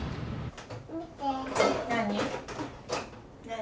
何？